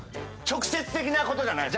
直接的なことじゃない？